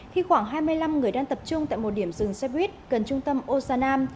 khi khoảng hai mươi năm người đang tập trung tại một điểm dừng xe buýt gần trung tâm osanam